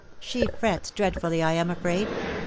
She frets dreadfully, I am afraid.